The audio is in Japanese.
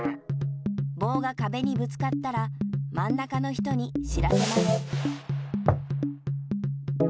ぼうがかべにぶつかったらまんなかの人に知らせます。